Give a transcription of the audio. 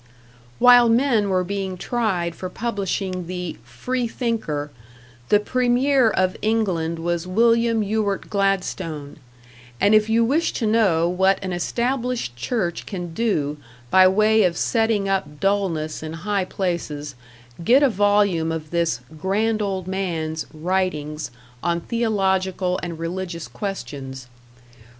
While men were being tried for publishing the "Free thinker", the Premier of England was William Ewart Gladstone. And if you wish to know what an established church can do by way of setting up dullness in high places, get a volume of this "Grand Old Man's" writings on theological and religious questions.